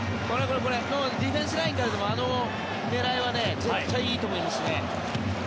ディフェンスラインからでもあの狙いは絶対いいと思いますね。